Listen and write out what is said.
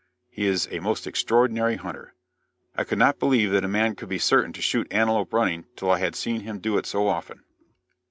He is a most extraordinary hunter. I could not believe that a man could be certain to shoot antelope running till I had seen him do it so often.